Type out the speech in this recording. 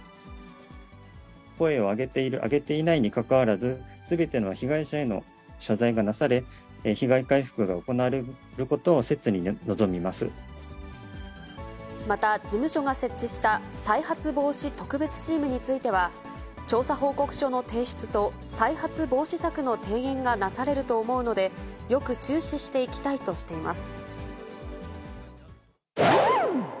声を上げている、いないにかかわらず、すべての被害者への謝罪がなされ、被害回復が行われることを、また、事務所が設置した再発防止特別チームについては、調査報告書の提出と、再発防止策の提言がなされると思うので、よく注視していきたいとしています。